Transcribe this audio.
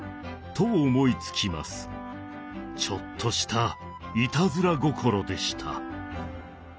ちょっとしたいたずら心でした。